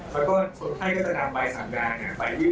ซึ่งเป็นจุดเด่นมากกว่ายานอนหลับตัวอยู่